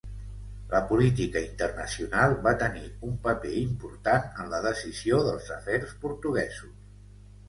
La política internacional va tenir un paper important en la decisió dels afers portuguesos.